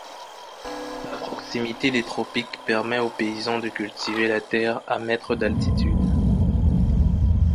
La proximité des tropiques permet aux paysans de cultiver la terre à mètres d'altitude.